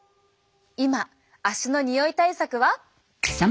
今足のにおい対策は。